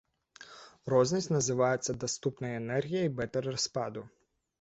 Рознасць называецца даступнай энергіяй бэта-распаду.